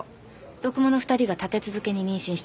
読モの２人が立て続けに妊娠したんです。